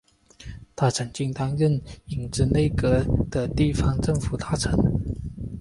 他曾经担任影子内阁的地方政府大臣。